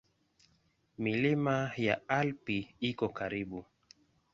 Milima ya Alpi iko karibu.